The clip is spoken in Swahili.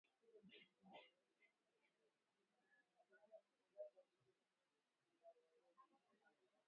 kutoka Mbale na mingine mitatu kutoka Kapchorwa